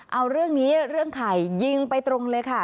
เอาเรื่องนี้เรื่องไข่ยิงไปตรงเลยค่ะ